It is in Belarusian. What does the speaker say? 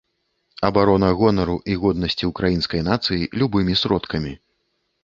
Абарона гонару і годнасці ўкраінскай нацыі любымі сродкамі.